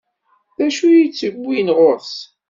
D acu i t-iwwin ɣur-s?